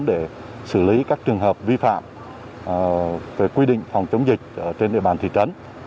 để xử lý các trường hợp vi phạm về quy định phòng chống dịch trên địa bàn thị trấn